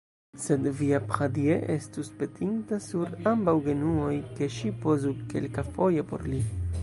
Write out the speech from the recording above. Sed via Pradier estus petinta sur ambaŭ genuoj, ke ŝi pozu kelkafoje por li.